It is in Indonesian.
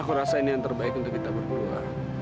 aku rasa ini yang terbaik untuk kita berdua